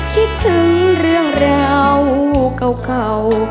คิดถึงเรื่องราวเก่า